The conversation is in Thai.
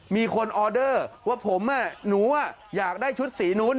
มีคนออเดอร์ว่าผมหนูอยากได้ชุดสีนู้น